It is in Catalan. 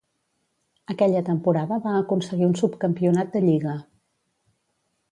Aquella temporada va aconseguir un subcampionat de lliga.